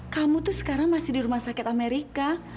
kamu tuh sekarang masih di rumah sakit amerika